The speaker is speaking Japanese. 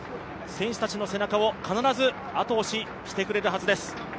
選手たちの背中を必ず後押ししてくれるはずです。